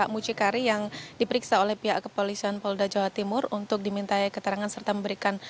mucikari yang diperiksa oleh pihak kepolisian polda jawa timur untuk dimintai keterangan serta memberikan